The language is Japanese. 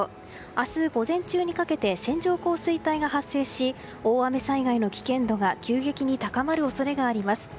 明日午前中にかけて線状降水帯が発生し大雨災害の危険度が急激に高まる恐れがあります。